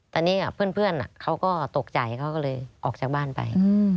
ตอนนี้เพื่อนเขาก็ตกใจเขาก็เลยออกจากบ้านไป